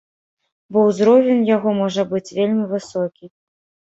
Бо ўзровень яго можа быць вельмі высокі.